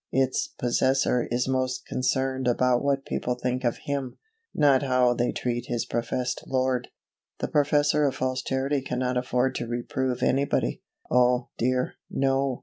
Its possessor is most concerned about what people think of HIM; not how they treat his professed Lord. The possessor of false Charity cannot afford to reprove anybody. Oh, dear, no!